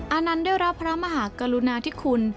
อานันต์เดียวรับพระมหากรุณาที่คุณ